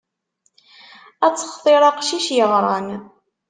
Ad textiṛ aqcic yeɣran.